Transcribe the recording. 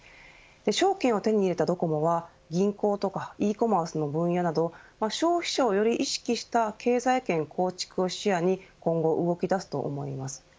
証券を手に入れたドコモは銀行とかＥコマースの分野など消費者をより意識した経済圏構築を視野に今後、動き出すと思います。